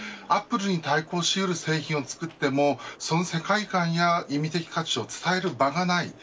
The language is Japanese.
アップルに対抗しうる製品を作っても世界観や意味的価値を伝える場がない。